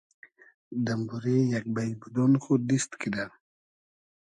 دئمبورې یئگ بݷ بودۉن خو دیست کیدۂ